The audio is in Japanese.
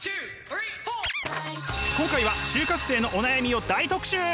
今回は就活生のお悩みを大特集。